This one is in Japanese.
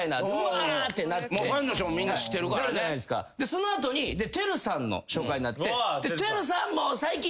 その後にＴＥＲＵさんの紹介になって。